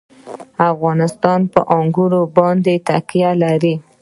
افغانستان په انګور باندې تکیه لري.